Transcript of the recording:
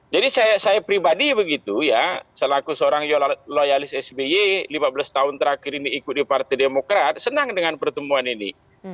jadi saya pribadi begitu selaku seorang loyalis sby lima belas tahun terakhir ini ikut di partai demokrat senang dengan pertemuan ini